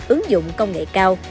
ứng dụng công nghệ cao